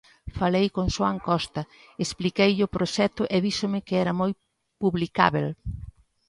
Falei con Xoán Costa, expliqueille o proxecto e díxome que era moi publicábel.